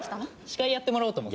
司会やってもらおうと思って。